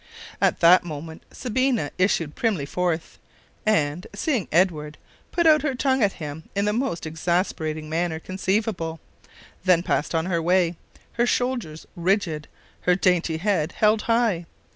At that moment Sabina issued primly forth, and, seeing Edward, put out her tongue at him in the most exasperating manner conceivable; then passed on her way, her shoulders rigid, her dainty head held high.